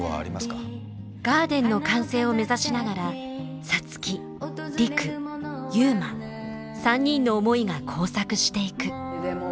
ガーデンの完成を目指しながら皐月陸悠磨３人の思いが交錯していく。